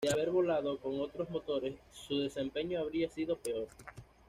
De haber volado con otros motores, su desempeño habría sido peor.